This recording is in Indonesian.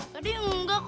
tadi nggak kok